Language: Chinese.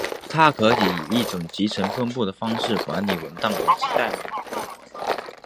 它可以以一种集成分布的方式管理文档以及代码。